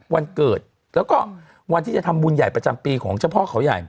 วันเกิดแล้วก็วันที่จะทำบุญใหญ่ประจำปีของเจ้าพ่อเขาใหญ่